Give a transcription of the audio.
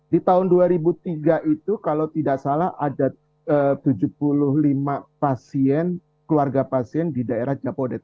di tahun dua ribu tiga itu kalau tidak salah ada tujuh puluh lima pasien keluarga pasien di daerah jabodetabe